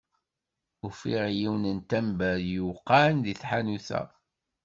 Ufiɣ yiwen n tamber yuqan deg tḥanut-a.